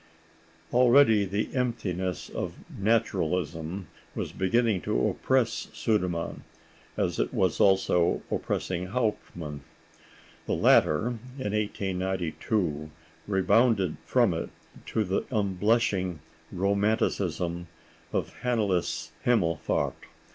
Already the emptiness of naturalism was beginning to oppress Sudermann, as it was also oppressing Hauptmann. The latter, in 1892, rebounded from it to the unblushing romanticism of "Hanneles Himmelfahrt."